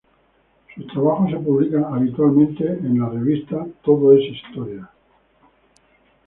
Sus trabajos se publican habitualmente el la revista Todo es Historia.